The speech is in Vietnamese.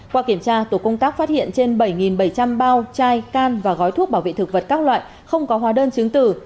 qua kiểm tra tổ công tác phát hiện trên bảy bảy trăm linh bao chai can và gói thuốc bảo vệ thực vật các loại không có hóa đơn chứng tử